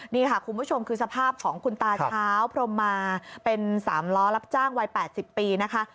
นี่ค่ะคุณผู้ชมคือสภาพของคุณตาเช้าพรมมาเป็น๓ล้อรับจ้างวัย๘๐ปีนะคะ